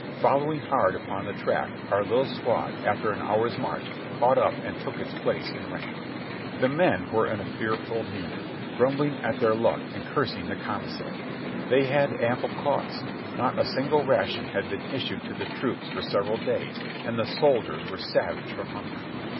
Following hard upon the track, our little squad after an hour's march caught up and took its place in rank. The men were in a fearful humor, grumbling at their luck and cursing the commissary. They had ample cause; not a single ration had been issued to the troops for several days and the sol diers were savage from hunger.